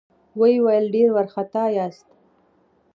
ويې ويل: ډېر وارخطا ياست؟